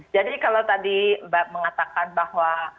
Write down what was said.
jadi kalau tadi mbak mengatakan bahwa